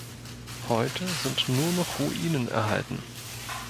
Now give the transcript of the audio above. Heute sind nur noch Ruinen erhalten.